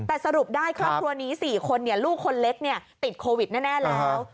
แต่สรุปได้ครอบครัวนี้๔คนลูกคนเล็กติดโควิดแน่แล้ว